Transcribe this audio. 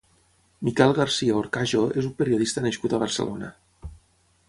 Miquel Garcia Horcajo és un periodista nascut a Barcelona.